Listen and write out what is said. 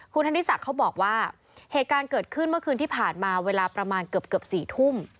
คุณธนิสักเขาบอกว่าเหตุการณ์เกิดขึ้นเมื่อคืนที่ผ่านมาเวลาประมาณเกือบ๔ทุ่ม